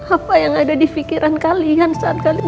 apa yang ada di pikiran kalian saat kalian